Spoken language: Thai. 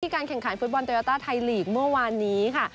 การแข่งขันฟุตบอลโยต้าไทยลีกเมื่อวานนี้ค่ะ